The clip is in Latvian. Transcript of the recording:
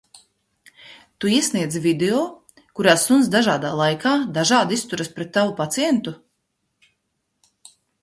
Tu iesniedzi video, kurā suns dažādā laikā dažādi izturas pret tavu pacientu?